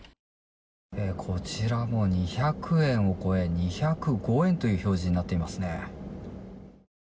こちらも２００円を超え２０５円という表示になっていますね。